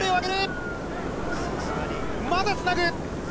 まだつなぐ。